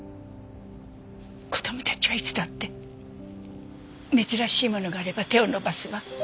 子供たちはいつだって珍しいものがあれば手を伸ばすわ。